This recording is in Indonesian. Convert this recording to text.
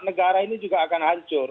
negara ini juga akan hancur